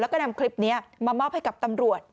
แล้วก็นำคลิปนี้มามอบให้กับตำรวจ